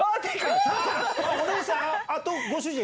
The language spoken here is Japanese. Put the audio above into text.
お姉さんとご主人？